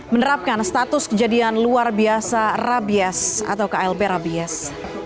menerapkan status kejadian luar biasa rabias atau klb rabias